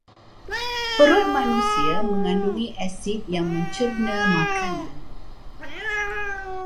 Perut manusia megandungi asid yang mencerna makanan.